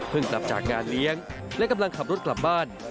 กลับจากงานเลี้ยงและกำลังขับรถกลับบ้าน